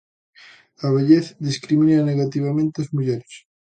A vellez discrimina negativamente as mulleres.